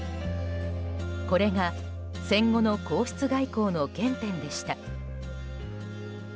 これが戦後の皇室外交の原点でした。